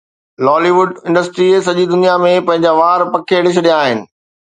لالي wood انڊسٽريءَ سڄي دنيا ۾ پنهنجا وار پکيڙي ڇڏيا آهن